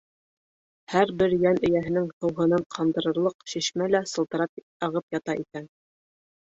Һәр бер йән эйәһенең һыуһынын ҡандырырлыҡ шишмә лә сылтырап ағып ята икән.